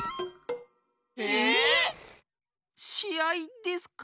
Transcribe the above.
しあいですか？